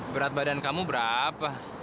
berat badan kamu berapa